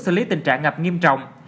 xử lý tình trạng ngập nghiêm trọng